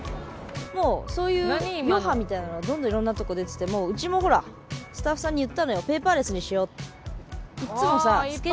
「もうそういう余波みたいなのがどんどん色んなとこ出ててもううちもほらスタッフさんに言ったのよペーパーレスにしようって」